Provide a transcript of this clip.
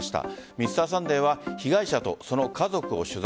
Ｍｒ．サンデーは被害者と、その家族を取材。